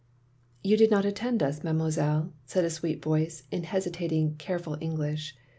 "You did not attend us. Mademoiselle?" said a sweet voice, in hesitating, careful English.